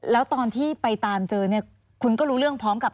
แล้วตอนที่ไปตามเจอเนี่ยคุณก็รู้เรื่องพร้อมกับ